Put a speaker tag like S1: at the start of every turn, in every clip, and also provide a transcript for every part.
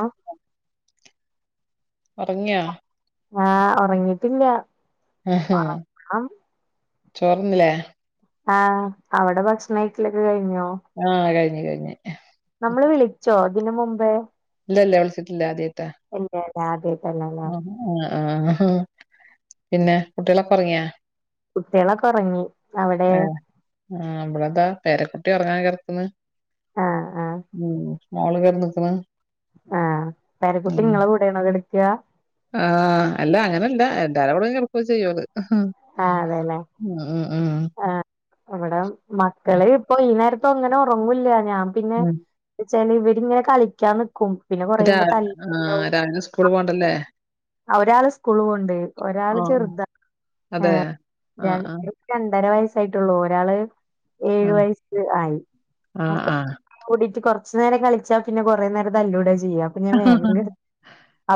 S1: ആ
S2: ഉറങ്ങിയോ
S1: ആ ഉറങ്ങിട്ടില്ല
S2: ആ ഹ ചോർ തിന്നില്ലേ
S1: ആ അവിടെ ഭക്ഷണം കഴിക്കലൊക്കെ കഴി
S2: ആ കഴിഞ്ഞു കഴിഞ്ഞു
S1: നമ്മള് വിളിച്ചോ ഇതിന് മുമ്പേ
S2: ഇല്ല വിളിച്ചിട്ടില്ല ആദ്യായിട്ട
S1: ഇല്ലല്ല ആദി
S2: ആ ആ ആ പിന്നെ കുട്ടികളെക്കെ ഉറങ്ങിയാ
S1: കുട്ടികളൊക്കെ ഉറങ്ങി
S2: അ ആ ഇവിടെതാ പേരെക്കുട്ടി ഒറങ്ങാന് കെടക്ക്ന്ന്
S1: ആഹ് ആഹ്
S2: ഉം മോള് കെടന്ന്ക്ക്ണ്
S1: ആ പേരക്കുട്ടി നിങ്ങളെ കൂടെണോ കിടക്ക
S2: ആ അല്ല അങ്ങനെല്ല എല്ലാരെ കൂടയെയും കിടക്കുകയും ചെയ്യും ഓള് അ ഉ ഉ
S1: ആ ഇവിടെ മക്കള് ഇപ്പൊ ഈ നേരത്ത അങ്ങനെ ഉറങ്ങൂല്ല ഞാൻ പിന്നെ
S2: ഉം
S1: വെച്ചാല് ഇവിടെങ്ങനെ കളിക്കാൻ പിന്നെ
S2: രാ
S1: കൊറയാകുമ്പോൾ തല്ലല്
S2: ആഹ് രാവിലെ സ്കൂള് പോണ്ടല്ലേ?
S1: [unintelligible] ആ ഒരാള് സ്കൂള് പോണണ്ട് ഒരാള്
S2: ആഹ്
S1: ചെറുതാ ഏ
S2: അതെ
S1: ഞാൻ
S2: ആഹ് ആഹ്
S1: രണ്ടര വയസ്സായിട്ടുള്ളൂ ഒരാള് ഏഴു
S2: ആഹ്
S1: വയസ് ആയി
S2: ആഹ്
S1: അപ്പ
S2: ആഹ്
S1: കൂടിട്ട് കുറ കുറുച്ച് നേരം കളിച്ചാ പിന്നെ കുറെ നേരം തല്ലൂ കൂടാ ചെയ്യാ അപ്പൊ ഞാൻ വേഗം
S2: [unintelligible]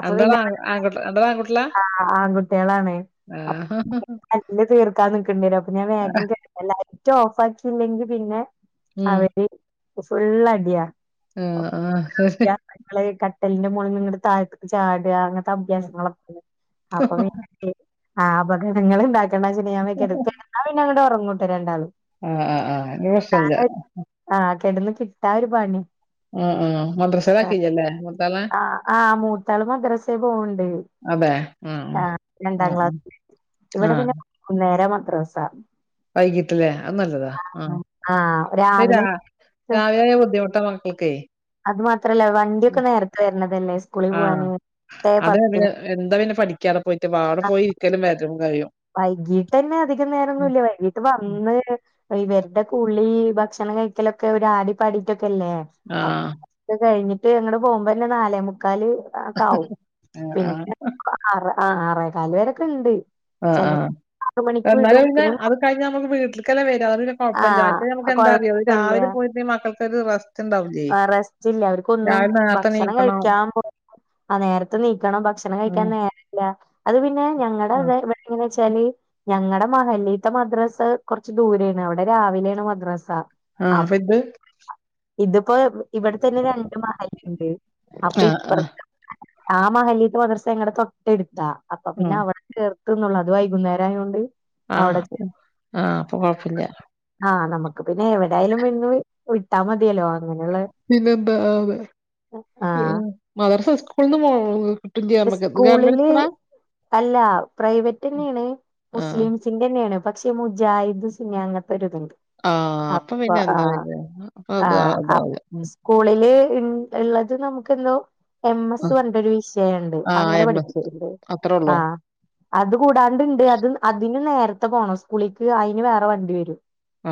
S2: രണ്ടാളും രണ്ടാളും ആൺകുട്ട്യാള
S1: ആ ആൺകുട്ടികളാണ്
S2: ആഹ്
S1: തല്ല് തീർക്കാൻ നിക്കണ്ടി വരും അപ്പൊ ഞാൻ വേഗം കിടത്തി എല്ലാരേം റ്റ് ഓഫാക്കില്ലെങ്കി പിന്നെ അവര് ഫുൾ അടിയ
S2: ആ ആ
S1: ട്ടൽന്റെ മോളിൽ നിന്ന്ങ്ങട്ട് താഴത്ത്ക്ക് ചാട അങ്ങൻത്തെ അഭ്യാസങ്ങളൊക്കെണ്ട് അപ്പൊ പിൻ ആഹ് അപകടങ്ങള് ഇണ്ടാക്കണ്ട ച്ട്ട് ഞാൻ [unintelligible] ന്നാ പിന്നെ ഉറങ്ങുട്ടൊ രണ്ടാളും
S2: ആഹ ആഹ് ആഹ് അത് പ്രേശ്നല്യ
S1: ആ കിടന്ന് കിട്ടാ ഒരു പണി
S2: ആഹ് മദ്രസേലാക്കില്ലല്ലേ മൂത്താളെ?
S1: ആ ആ മൂത്താളും മദ്രസേ പോവണ്ട്
S2: അതെ ആഹ്
S1: ആ രണ്ടാം
S2: ആഹ്
S1: ക്ലാസ് ഇവിടെ പിന്നെ കുന്നേര മദ്രസ
S2: വൈകിട്ട് ലേ അത് നല്ലതാ ആ
S1: ആഹ്
S2: രാ
S1: രാവിലെ
S2: രാവിലായ ബുദ്ധിമുട്ട മക്കൾക്കേ
S1: അത് മാത്രല്ല വണ്ടിയൊക്കെ നേര്ത്തെ വര്ണതല്ലേ സ്കൂളി
S2: ആഹ്
S1: പോകാന് എട്ടേ പത്തിന്
S2: ക്യടെ പോയ്ട്ട് വാട പോയിര്ക്കലും വരലും കഴിയും
S1: വൈകീട്ട് തന്നെ അധികം നേരംൊന്നുംല്ല വൈകീട്ട് വന്ന്വരുടെ കുളി ഭക്ഷണം കഴിക്കലൊക്കെ ഒരു ആടി പാടിട്ടൊക്കെല്ലേ
S2: ആഹ്
S1: അക്ക കഴിഞ്ഞി ട്ട് അങ്ങട് പോകുമ്പന്നെ നാലേ മുക്കാല് ക്കെ ആവും
S2: ആഹ് ആഹ്
S1: പിന്നെ ആ അ ആറെ കാല് വരെക്കണ്ട്
S2: ആഹ ആഹ എന്നാല് പിന്നെ അത് കഴിഞ്ഞ നമുക്ക് വീട്ടിൽക്കല്ലെ വര അത് പിന്നെ കൊഴപ്പല്ല മറ്റെ മക്
S1: ആഹ്
S2: എന്താറിയൊ
S1: കൊഴപ്പില്ല
S2: രാവിലെ പോയിട്ടെ മക്കൾ തത് പർ
S1: അ റസ്റ്റ്ല്ല അവർക്കൊന്നും
S2: നേരത്തെ
S1: ഭക്ഷണം
S2: നീക്കണം
S1: കഴിക്കാൻ പോ ആ നേരത്തെ നീക്കണം ഭക്ഷണം
S2: ഉം
S1: കഴിക്കാൻ നേരല്ല അത് പിന്നെ ഞങ്ങടെ
S2: ആഹ്
S1: [unintelligible] ച്ചാല് ഞങ്ങടെ മഹല്ലിത്തെ മദ്രാസ് കൊർച്ച് ദൂരേണ് അവിടെ രാവിലെണ് മദ്രാസ
S2: ആ അഫെ ത്
S1: തിപ്പോ ഇവിടെ തന്നെ രണ്ട് മഹല്ണ്ട് അപ്പൊ
S2: ആഹ് ആഹ്
S1: ഇപ്പർത്തെ [unintelligible] ആ മഹല്യത്ത് മദർസ ങ്ങടെ തൊട്ടെട്ത്താ അപ്പൊ പിന്നെ
S2: ഉം
S1: അവ്ട് കേ ത് ന്നുള്ളൂ അത് വൈകുന്നേരായോണ്ട്
S2: ആഹ് ആഹ് അപ്പൊ കൊഴപ്പല്ല
S1: ആ നമുക്ക് പിന്നെ എവിടായാലും [unintelligible]
S2: പിന്നെന്താ അതെ
S1: ആ
S2: മദർസ സ്കൂളന്ന് പോ ന്ത്യാ മ്മക്ക് ഗവൺമെന്റ്
S1: സ്കൂളില്
S2: സ്കൂളാ
S1: അല്ല പ്രൈവറ്റന്ന്യായാണ്
S2: ആഹ്
S1: മുസ്ലിംസിന്റെ ന്നെയാണ് പക്ഷെ മുജാഹിദ് സുന്നി അങ്ങൻത്തെ ഒരുതുണ്ട്
S2: ആ
S1: അപ്പൊ ആ ആ അപ്
S2: അതാവില്ല ഉം
S1: സ്കൂളില് ഉള്ളത് നമുക്ക് ക്കെന്നൊ എം എസ്
S2: ആഹ്
S1: കണ്ടരു വിഷ് ണ്ട്
S2: ആഹ്
S1: അങ്ങനെ
S2: എം എസ്
S1: പഠിപ്പിക്ക്ണ്ട്
S2: അത്രേ
S1: ആ
S2: ഉള്ളൂ
S1: അത് കൂടാണ്ട്ണ്ട് അതി നേരത്തെ പോണം സ്കൂളിക്ക് അയ്ന് വേറെ വണ്ടി വരും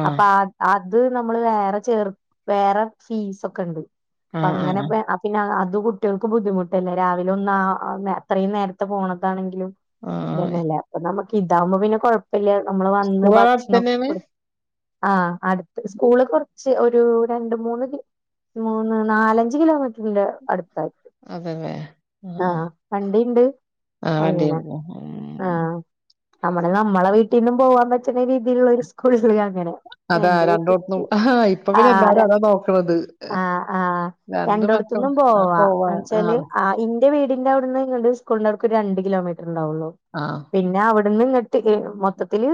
S2: ആഹ്
S1: അ ത് നമ്മള് വേറെ ചേർ വേറെ ഫീസൊക്കെണ്ട്
S2: ആഹ്
S1: അങ്ങനെ
S2: ആഹ്
S1: പിന്നെ അത് കുട്ട്യേൾക്ക് ബുദ്ധിമുട്ടല്ലേ രാവിലെ ഒന്ന അത്രയും നേരത്തെ പോണതാണെങ്കിലും
S2: ആഹ് ആഹ്
S1: പിന്നെല്ലേ അപ്പ നമ്മക്ക് ഇതാവുമ്പോ പിന്നെ കുഴപ്പം നമ്മള് വന്ന്
S2: സ്കൂള് അവിടെ
S1: ഭക്ഷണൊക്കെ
S2: അടുത്തന്നെയാണ്
S1: കൊട് ആ അടുത്ത് സ്കൂള് കൊർച്ച് ഒരു രണ്ട് മൂന്ന് മൂന്ന് നാലഞ്ച് കിലോമീറ്ററിന്റെ അടുത്തായി
S2: അതല്ലേ ആഹ്
S1: ആ
S2: ആഹ്
S1: പണ്ടിണ്ട്
S2: ആഹ് വണ്ടിയിൽ
S1: അങ്ങനെ
S2: പോവും ഉം
S1: ആ
S2: ഉം.
S1: നമ്മുടെ നമ്മളെ വീട്ടിന്നും പോകാൻ പറ്റുന്ന രീതിലുള്ള ഒരുസ് സ്കൂ അങ്ങനെ
S2: അതാ
S1: എന്റെ
S2: രണ്ടോട്ത്തും
S1: വീട്ടക്ക്
S2: ആഹാ ഇപ്പൊ
S1: ആ
S2: പിന്നെ എല്ലാരും അതാ നോക്കണത്
S1: ആ ആ
S2: രണ്ട് മക്കൾ
S1: രണ്ടടത്തൊന്നും
S2: ആ,
S1: പോവാ
S2: പോവാൻ
S1: എന്നെച്ചാല്
S2: ആഹ്
S1: ഇന്റെ വീടിന്റെ അവ്ട്ന്ന് ങ്ങട്ട് സ്കൂൾന്റെവ്ക്ക് രണ്ട് കിലോമീറ്റർണ്ടാവുള്ളു
S2: ആഹ്
S1: പിന്നെ അവ് ട്ന്ന്ങ്ങട്ട് മൊത്തത്തില്ൽ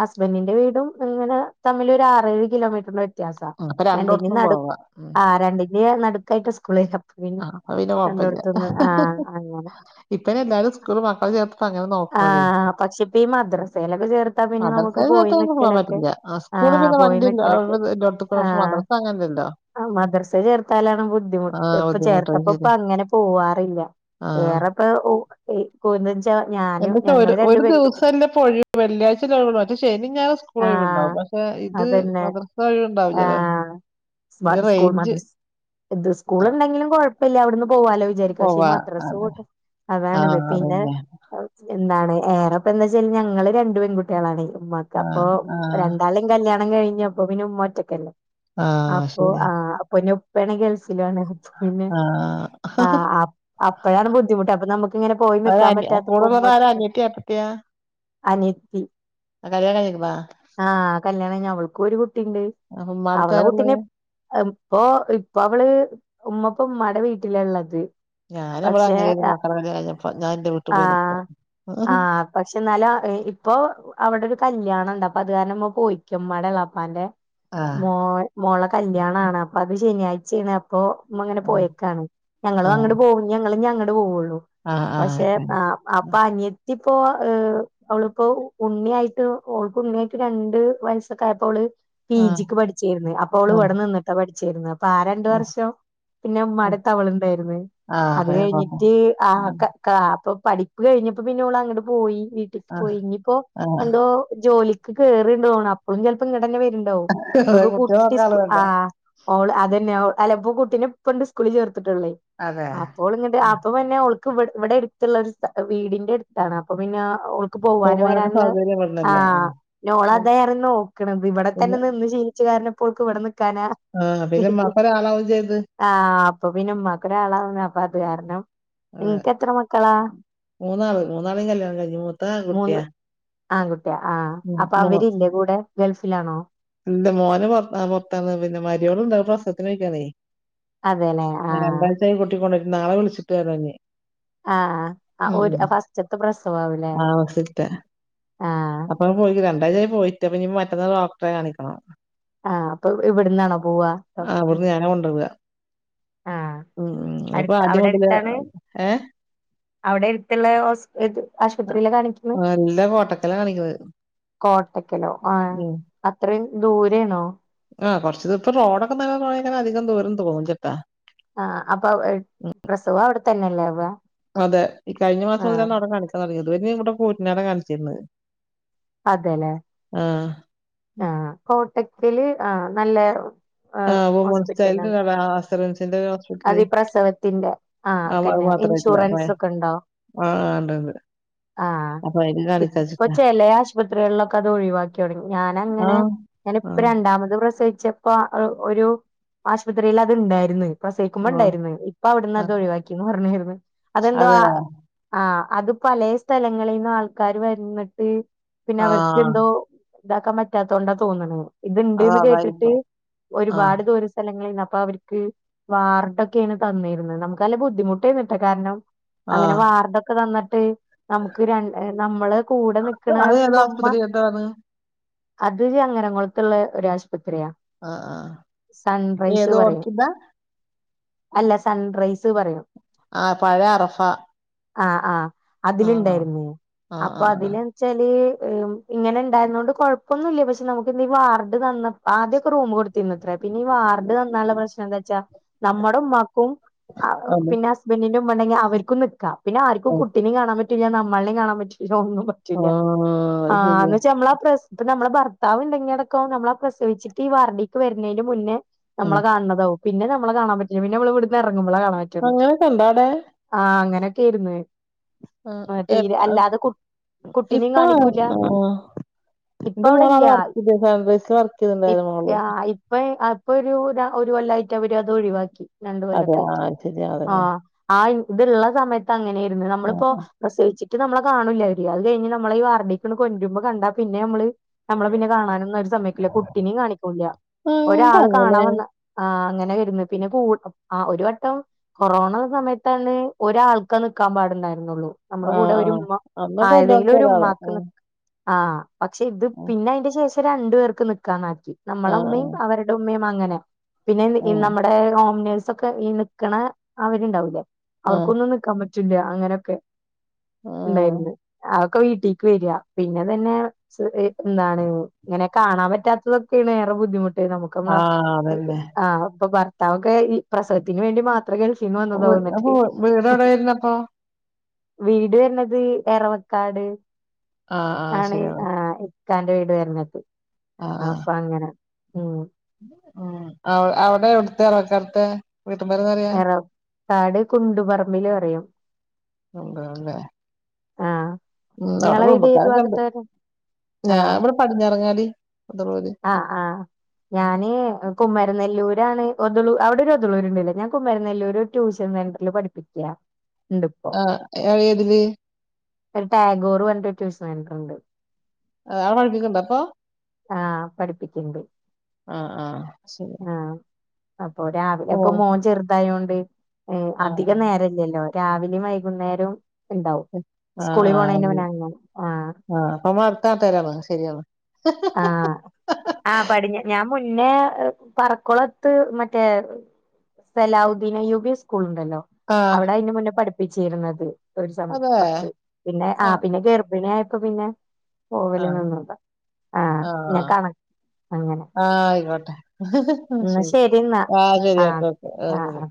S1: ഹസ്ബന്ഡറിന്റെ വീടും ഇങ്ങനെ തമ്മിലൊരു ആറേഴ് കിലോമീറ്ററ വ്യത്യാസാ
S2: അപ്പൊ
S1: രണ്ടിന്റെം
S2: രണ്ടോട്ത്തും
S1: നടുക്ക്
S2: പോവാ ഉം
S1: ആ രണ്ടിന്റേം നടുക്കായിട്ട് സ്കൂള [unintelligible]
S2: ആ [unintelligible] ഹഹഹ
S1: അങ്ങനെ
S2: ഇപ്പെഴെല്ലാരും സ്കൂള് മക്കള് ചേർത്തപ്പോങ്ങനെ നോക്കണത്
S1: ഈമദ്രസേ [inaudible]
S2: മദർസ യാത്രൊന്നും പോകാൻ പറ്റില്ല
S1: ആ
S2: സ്കൂള് പിന്നെ
S1: പോയി നിക്കലൊക്കെ
S2: വണ്ടിക്ഷെ മദ [unintelligible]
S1: ആ മദ്രസ് ചേർത്താലാണ് ബുദ്ധിമുട്ട്
S2: ആഹ്
S1: ഇപ്പൊ
S2: ബുദ്ധിമുട്ടാ
S1: ചേർത്തപ്പ
S2: ശരിയാ.
S1: ഇ അങ്ങനെ പോവാറില്ല വേറെപ്പ കോവി
S2: എന്നിട്ട് ഒരു ഒരു ദിവസംല്ലെ പ്പൊഴി വെള്ളിയാഴ്ച [unintelligible] മറ്റേ ശനി ഞാ സ്കൂൾ
S1: ആ
S2: ഒഴിവുണ്ടാ ഏ ഇത്
S1: അതന്നെ
S2: മദ്രസ വഴി ഒണ്ടാവില്ലല്ലോ
S1: [unintelligible] സ്കൂളെണ്ടെങ്കിലും കൊഴപ്പല്ലാരുന്നു പോവാലോ വിചാരിക്കു പക്ഷേ ഈ
S2: പോവാ അതെ.
S1: മദ്രസോട്ട് അതാാണ്ത്
S2: ആഹ്
S1: പിന്നെ
S2: അതന്നെ.
S1: [unintelligible] എന്താണ് ഏറെപ്പന്താച്ചയിഞ്ഞാ ങ്ങള് രണ്ട് പെൺകുട്ട്യളാണേ ഉമ്മാക്ക് അപ്പൊ
S2: ആഹ് ആഹ്
S1: രണ്ടാളും കല്യാണം ണം കയ്ഞ്ഞപ്പോപിന്ന മ്മറ്റക്കല്ലേ
S2: ആഹ്
S1: അപ്പൊ
S2: ശരി.
S1: ആ അപ്പൊ പെണെ ഗൾഫിലാണ് [unintelligible]
S2: ആഹ്.
S1: ആ അപ് അപ്പഴാണ് ബുദ്ധിമുട്ട് അപ്പ നമുക്കിങ്ങനെ പോയി
S2: ആരാ
S1: നിക്കാൻ
S2: അനി
S1: പറ്റാത്തപ്പോ
S2: കൂടെയുള്ളത്
S1: ഉമ്മ [unintelligible]
S2: [unintelligible]
S1: അനിത്തി
S2: കല്യാണം കഴിഞ്ഞിക്കണാ?
S1: ആ കല്യാണഞ് അവൾക്ക് ഒരു കുട്ടീ ണ്ട്
S2: അപ്പൊ ഉമ്മാടടുത്ത്
S1: അവള
S2: ആരാ ഉള്ളെ?
S1: കുട്ടിന [inaudible] പ്പോ ഇപ്പവള് ഉമ്മൊപ്പമ്മാടെ വീട്ടിലാള്ളത്
S2: ഞാനിവിടെ
S1: പക്ഷെ
S2: അങ്ങനെയായിരുന്നു മക്കളെ കല്യാണം കഴിഞ്ഞപ്പോ ഞാൻ എന്റെ വീട്ടിൽ
S1: ആ
S2: പോയി നിക്കും.
S1: ആ പക്ഷെ നല്ല എ ഇപ്പൊ അവിടൊരു കല്യാണണ്ട് അപ്പത് കാരണംമ്മ പോയിക്കും മ്മാടെളാപ്പാന്റെ
S2: ആഹ്
S1: മോൾ മോളെ കല്യാണാണപ്പൊ അത് ശനിയാഴ്ചേണ് അപ്പോ മ്മങ്ങനെ
S2: ആഹ്
S1: പോയേക്കാണ് ഞങ്ങളും
S2: ആഹ്
S1: അങ്ങട് പോകു [unintelligible] ങ്ങളിന്യങ്ങട് പോവുള്ളൂ
S2: ആഹ് ആഹ്
S1: പക്ഷെ
S2: അതന്നെ
S1: അപ്പ അ പ്പോ അവളിപ്പോ ഉണ്ണിയായിട്ട് ഓൾക്ക് ഉണ്യായിട്ട് രണ്ട് വയസ്സൊക്കെ ആയപ്പോ പി
S2: ആഹ്
S1: ജിക്ക് പഠിച്ചേര്ന്ന് അപ്പോള്
S2: ആഹ്
S1: ഇവ്ടെ നിന്നിട്ട പഠിച്ചേരുന്ന് അപ്പൊ ആ രണ്ട്
S2: ആഹ്
S1: വർഷം പിന്നെ
S2: ആഹ് അപ്പൊ
S1: തവള്ണ്ടേര്ന്ന് അത്
S2: പിന്നെ കൊഴപ്പല്ല
S1: കഴിഞ്ഞിട്ട് ആ
S2: ആഹ്
S1: ക കാ അപ്പൊ പഠിപ്പ് കഴിഞ്ഞപ്പ പിന്നോളങ്ങട് പോയി വീട്ടിക്ക്
S2: ആഹ്
S1: പോയി ഇനീപ്പോ
S2: ആഹ്
S1: എന്തോ ജോലിക്ക് കേറീണ്ടോള് അപ്പളും ചെലപ്പങ്ങടെക്ക് ണ്ടാവു
S2: അതെ
S1: വൾക്ക്
S2: കുട്ടികളെ നോക്കാൻ ആള്
S1: കുട്ടിസ്കു ആ
S2: വേണ്ടേ
S1: ഓള് അതന്നെ ഓ അലപ്പോ കുട്ടീനെ [unintelligible] കുളി ചേർത്തിട്ട്ള്ളേ
S2: അതെ
S1: അപ്പോളിങ്ങട്
S2: ആഹ്
S1: അപ്പവന്നെ ക്ക് വ് വിടെടുത്തുള്ള ഒരു സ് വീടിന്റെടുത്താണ് അപ്പൊ പിന്നെ ഓൾക്ക് പോവാനും
S2: പോവാനൊക്കെ
S1: വരാനുള്ള
S2: സൗകര്യം
S1: ആ
S2: ഇവിടന്നല്ലേ ആഹ്
S1: നോളതേറെ നോക്ക്ണത് വിടെ തന്നെ
S2: പിന്നെ
S1: നിന്ന് ശീലിച്ചെ കാരണപ്പോൾക്ക് ഇവിടെന്ന് ക്കാനാ
S2: ആഹ് പിന്നെ ഇമ്മാക്ക് ഒരാളാവും ചെയ്ത്
S1: ആ അപ്പപിന്നെ ഉമ്മാക്കൊരാള അപ്പാത് കാരണം
S2: ഏ
S1: നിനക്ക് എത്ര മക്കളാ
S2: മൂന്നാള് മൂന്നാളെം കല്യാണം കഴിഞ്ഞ് മൂത്ത കുട്ടിയാ
S1: ആങ്കുട്ടിയ ആ അപ്പൊ അവരില്ലെ കൂടെ ഗൾഫിലാണോ
S2: ഇല്ല മോന് പൊറത്താ പൊറത്താന്ന് പിന്നെ മരിയോള്ണ്ടാ പ്രസവത്തിന് പോയ്ക്കാണെ
S1: അതെല്ലേ ആഹ്
S2: രണ്ടാഴ്ചായി കുട്ടിക്കൊണ്ട നാളെ വിളിച്ചിട്ട് വര്ന്നേ
S1: ആ ആ ഒര് ഫസ്റ്റത്തെ പ്രസവാവൂലേ ആഹ്
S2: അപ്പം പോയി രണ്ടാഴ്ചായി പോയിട്ട് അപ്പ ഇനി മറ്റന്നാ ഡോക്ടറെ കാണിക്കണം
S1: ആ അപ്പവ്ഇവിടുന്നാണോ പോവാ
S2: ആ, അവിടുന്ന് ഞാനാ കൊണ്ടുപോവുക
S1: ആഹ്
S2: ഉം ഉ ഇപ്പൊ
S1: അടുത്ത അവിടെ
S2: ആദ്യമൊതല്
S1: അടുത്താണ്
S2: ഏ
S1: അവിടെ എടുത്തുള്ള ഓസ്പിറ്റ്
S2: നല്ലാ പോട്ടക്കെല്ലാം കാണിക്ക
S1: കോട്ടക്കലോ ആ അത്രയും ദൂരേണോ
S2: ആ കൊറച്ച് ദ ഇപ്പം റോഡൊക്കെ [unintelligible] അധികം ദൂരം തോന്ന്ല്ലട്ടാ
S1: ആ അപ്പൊ പ്രസവാവിടെ തന്നെയല്ലേ അവ
S2: അതെ ഈ കഴിഞ്ഞ മാസം മുതലാണവ്ടെ കാണിക്കാൻ തൊടങ്ങിയത്. [unintelligible] കാണിച്ചിന്നത്
S1: അതെല്ലേ
S2: ആ
S1: ആ കോട്ടക്കല് ആ നല്ലെ
S2: ആ വുമൻസ് ചൈൽഡ് [unintelligible] ഹോസ്പിറ്റല്
S1: അത് ഈ പ്രസവത്തിന്റെ ആഹ്
S2: ആ
S1: പിന്നെ
S2: മാത്രം ഇല്ല
S1: ഇൻഷുറൻസ് ഒക്കെ ഉണ്ടോ
S2: ആഹ് ണ്ട്ണ്ട്
S1: ആഹ് ഇപ്പൊ ചെല ആശുപത്രികളിലൊക്കെ അത് ഒഴിവാക്കി തുടങ്ങി
S2: ആ
S1: ഞാനങ്ങനെ ഞാന്
S2: ആ
S1: ഇപ്പ രണ്ടാമത് പ്ര പ്രസഹിച്ചപ്പോ ഒരു ആശുപത്രിയിൽ അത്ണ്ടായിരുന്നു
S2: ആ
S1: പ്രസവിക്കുമ്പോണ്ടായിരുന്നു ഇപ്പ അവിടുന്ന്
S2: ആ,
S1: അത് ഒഴിവാക്കിന്ന് പറഞ്ഞായിരുന്നു അതെന്തോ
S2: അതെ
S1: ആ അത് പല സ്ഥലങ്ങളിൽന്ന് ആൾക്കാാര് വന്നിട്ട് പിന്നെ
S2: ആ
S1: അവർക്ക് എന്തോ ഇതാക്കാൻ പറ്റാത്ത കൊണ്ടാ തോന്ന് ണ്
S2: അത്
S1: ഇത്ണ്ട്ന്ന് കേട്ടിട്ട്
S2: അതായിരിക്കും ആ
S1: ഒരുപാട് ദൂര സ്ഥലങ്ങളിൽ നി അപ്പൊ അവർക്ക് വാർഡൊക്കെയാണ് തന്നിരുന്നത് നമുക്ക്ല്ല ബുദ്ധിമുട്ടേന്നിട്ടെ കാരണം
S2: ആ
S1: അങ്ങനെ വാർഡൊക്കെ തന്നിട്ട് നമുക്ക് രണ്ട് നമ്മള് കൂടെ
S2: അത് ഏതോ
S1: നിക്കണപ്പ ഉമ്മ
S2: ആസ്പത്രി ഏതാണ്
S1: അത് ചങ്ങരകുുളത്തുള്ള ഒരാശു യാ
S2: ആ ആ
S1: സൺറൈസ്
S2: ഏത്
S1: പറയും
S2: ഓർക്കിഡാ
S1: അല്ല സൺറൈസ് പറയും
S2: ആ പഴയ അറഫ
S1: ആഹ് ആഹ്
S2: ആ
S1: അതിലുണ്ടായിുന്നേ
S2: ആ ആ
S1: അപ്പൊ
S2: ആ ആ.
S1: അതില്ച്ചാല് ഇങ്ങനെ ഉണ്ടായതും കൊണ്ട് കുഴപ്പൊന്നില്ല പക്ഷെ നമുക്ക് ഈ വാർഡ് തന്ന ആദ്യൊക്ക റൂം കൊട് തിന്നത്രെ പിന്നെ ഈ വാർഡ് തന്നാലുള്ള പ്രശ്നം എന്താ വെച്ചാ നമ്മുടെ ഉമ്മാക്കും
S2: അതെ
S1: പിന്നെ ഹസ്ബൻറിനും ണ്ടെങ്കി അവർക്കും നിക്ക പിന്നെ ആർും
S2: ആ
S1: കുട്ടിനും കാണാൻ പറ്റില്ല നമ്മളെയും കാണാൻ പറ്റില്ല ഒന്നും
S2: ആ
S1: പറ്റില്ല
S2: അത് ശരിയാ
S1: നമ്മള നമ്മെ ഭർത്താവ് ഇണ്ടെങ്കി അടക്കോ നമ്മളെ പ്രസവിച്ചട്ട് ഈ വാർഡിക്ക് വരുന്നതിന് മുന്നേ
S2: ഉം.
S1: നമ്മളെ കാണതാവും പിന്നെ നമ്മളെ കാണാൻ പറ്റില്ല പിന്നെ നമ്മള്വിടുന്ന് എറങ്ങ മ്പളെ കാണാൻ പറ്റുള്ളൂ
S2: അങ്ങനെയൊക്കെ ഉണ്ടോ അവിടെ
S1: ആ അങ്ങനെയൊക്കെ ആരുന്നു ആ തീരെ അല്ലാതെ കു കുട്ടിനും
S2: ഇപ്പൊ
S1: കാണിക്കൂല
S2: ആ,
S1: ഇപ്പ
S2: എന്റെ മോള്
S1: അവിടെല്ല
S2: അവിടെ വർക്ക് ചെയ്ത് സൺറൈസിൽ വർക്ക് ചെയ്തിട്ടുണ്ടായിരുന്നു മോള്
S1: ഇപ്പ അത് ഇപ്പൊ ഒരു ഒരു കൊല്ലമായിട്ട് അവര് അത് ഒഴിവാക്കി രണ്ട്
S2: അതെ
S1: കൊല്ലക്കെ
S2: ആ
S1: ആയിട്ട്
S2: ശരി
S1: ആ
S2: അതന്നെ
S1: ആ ഇത്ള്ള സമയത്ത് അങ്ങനെയായിരുന്നു
S2: ആ,
S1: നമ്മളിപ്പോ
S2: ആ.
S1: പ്രസവിച്ച് നമ്മളെ കാണില്ല അവര് അത് കഴഞ്ഞ് നമ്മളെഈ വാർഡിക്ക് കൊണ്ടരുമ്പോ കണ്ടാ പിന്നെ നമ്മള് നമ്മള് പിന്നെ കാണാനൊന്നും ഒരു സമയക്കില്ല കുട്ടിനും കാണിക്കൂില്ല
S2: ആ, എന്താ
S1: ഒരാള് കാണാൻ
S2: അങ്ങനെ
S1: വന്ന ആ അങ്ങനെ പിന്നെ ആ ഒരു വട്ടം കൊറോണ സമയത്താണ് ഒരാൾക്കാ നിക്കാൻ പാടുണ്ടായിരുന്നുള്ളൂ നമ്മുടെ
S2: ആ
S1: കൂടെ
S2: ആ
S1: ഒരു ഉമ്മ
S2: അന്നൊക്കെ
S1: ആയതെങ്കിലും
S2: എല്ലാവർക്കും
S1: ഒരു
S2: ഒരാള്
S1: ഉമമാക്ക് നി
S2: ഉം,
S1: ആഹ് പക്ഷെ ഇത്
S2: ഉം.
S1: പിന്നെ അതിന്റെ ശേഷം രണ്ടു പേർക്ക് നൽക്കാന്നാക്കി നമ്മള
S2: ആ
S1: ഉമ്മയും അവരുടെ ഉമ്മയും അങ്ങനെ പിന്നെ
S2: ആ
S1: നമ്മുടെ ഓമിനേഴ്സ് ഒക്കെ ഈ നിക്കണ അവരുണ്ടാവൂല്ലേ
S2: ആ ആ
S1: അവർക്കൊന്നും നിക്കാൻ പറ്റില്ല അങ്ങനൊക്കെ ഉണ്ടായിരുന്നു ആ ക്കെ വീട്ടിലക്ക് വരിക പിന്നെ തന്നെ എന്താണ് ഇങ്ങനെ കാണാൻ പറ്റാത്തത് വേറെ ബുദ്ധിമുട്ട് നമുക്ക്
S2: ആ ആ
S1: നമ്മളെ
S2: അതന്നെ
S1: ആ ഇപ്പൊ ഭർത്താവൊക്കെ ഈ പ്രസവത്തിന് വേണ്ടി മാത്രം അത്രക്ക് ഗൾഫീന്ന്
S2: വീ- അപ്പൊ
S1: വന്നതാവന്നട്ട്
S2: വീട് എവിടെ വരുന്നപ്പോ
S1: വീട് വര്ണത് എറവക്കാട്
S2: ആഹ് ആഹ് ശരിയ
S1: കാന്റെ വീട് വരണത്
S2: ആഹ്
S1: അപ്പൊ അങ്ങനെ ഉം
S2: ഉം അവിടെ എവിടത്തെ ആറക്കർത്തെ
S1: എറപ്പാട് കുണ്ടുപറമ്പില് പറയും
S2: കുണ്ടറമ്പല്ലേ
S1: ആഹ്
S2: ഉം അവിടെ
S1: നിങ്ങളെ വീട് ഏത്
S2: കുടുംബക്കാരൊക്കെ ഉണ്ട്
S1: ഭാഗത്താ വരാ
S2: ഞാൻ ഇവിടെ പടിഞ്ഞിറങ്ങാലി
S1: ആ ആഹ് ഞാന് കുമരനെല്ലൂർ ഒ അവിടെ ഒരു ഒതുളൂരുണ്ടില്ല ഞാൻ കുമരനല്ലൂര് ഒരു ട്യൂഷൻ സെന്ററിൽ പിപ്പിക്കുക
S2: ആഹ് ഏ ഏതില്
S1: ഒരു ടാഗോറ് പറഞ്ഞിട്ട് ഒരു ട്യൂഷൻ സെൻ്ററുണ്ട്
S2: [unintelligible] പഠിപ്പിക്ക്ണ്ട ഇപ്പ
S1: ആഹ് പഠിപ്പിക്കണ്ട്
S2: ആ ആ ശെരി
S1: ആഹ് അപ്പൊ രാവിലെ അപ്പൊ മോൻ ചെറുതായൊണ്ട് മ്
S2: ആഹ്
S1: അധികം
S2: ആഹ്
S1: നേരല്ല്യല്ലോ. രാവിലിം വൈകുന്നേരും ഇണ്ടാവും
S2: ആഹ്
S1: സ്കൂളിൽ പോണെന്റെ
S2: ആഹ്
S1: മുന്നെ [unintelligible] ആ
S2: ആഹ് അപ്പൊ നമ്മളെ അടുത്ത നാട്ടാരാണ് ശരിയാണ്
S1: ആ ആ പടിഞ്ഞ് ഞാൻ മുൻ പിന്നെ പറക്കുളത്ത് മറ്റേ സലാഹുദ്ധീൻ അയ്യൂബി സ്കൂൾണ്ട്. ണ്ടല്ലോ?
S2: ആഹ്
S1: അവിടെ അയിന് മുന്നേ പഠിപ്പിച്ചിരുന്നത്. കൊർചം
S2: അതെ
S1: കൊർച്ച് പിന്നെ ആ
S2: ആഹ്
S1: പിന്നെ ഗെർഭിണിയായപ്പ പിന്നെ പോവല് നിന്നതാ ആഹ്
S2: ആ
S1: പിന്നെ കണ അങ്ങനെ
S2: ആ ആയിക്കോട്ടെഹ് ഹ്
S1: എന്നാ
S2: ശെരി.
S1: ശരി എന്നാ
S2: ആ ശെ രി
S1: ആഹ്
S2: ഓക്കേ
S1: ഓക്കെ
S2: ഓക്കേ ആ
S1: ആഹ് ആഹ്
S2: ശെരി.